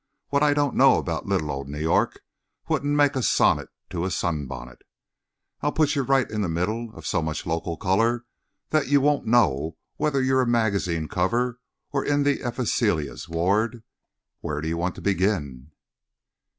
What I don't know about little old New York wouldn't make a sonnet to a sunbonnet. I'll put you right in the middle of so much local colour that you won't know whether you are a magazine cover or in the erysipelas ward. When do you want to begin?"